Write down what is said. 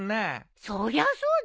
そりゃそうだよ。